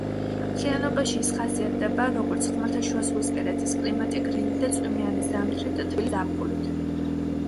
მთლიანობაში, ის ხასიათდება, როგორც ხმელთაშუაზღვისპირეთის კლიმატი გრილი და წვიმიანი ზამთრით და თბილი ზაფხულით.